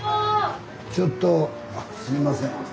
ちょっとすいません。